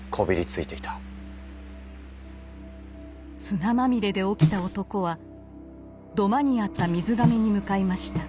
砂まみれで起きた男は土間にあった水甕に向かいました。